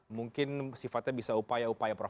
mungkin sifatnya bisa upaya upaya prof